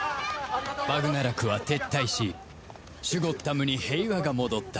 バグナラクは撤退しシュゴッダムに平和が戻った